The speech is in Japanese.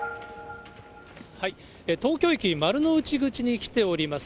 東京駅丸の内口に来ております。